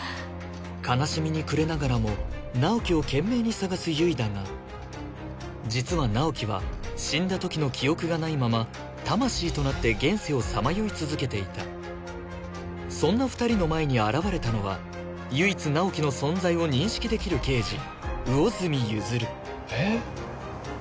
悲しみにくれながらも直木を懸命に探す悠依だが実は直木は死んだときの記憶がないまま魂となって現世をさまよい続けていたそんな２人の前に現れたのは唯一直木の存在を認識できる刑事魚住譲ええっ？